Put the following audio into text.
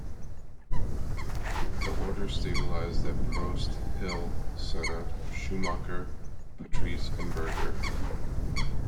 The order stabilised at: Prost, Hill, Senna, Schumacher, Patrese and Berger.